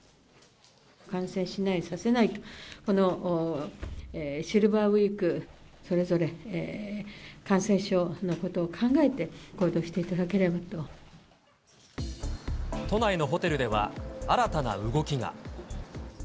感染しない、させないと、このシルバーウィーク、それぞれ、感染症のことを考えて、都内のホテルでは、新たな動きが。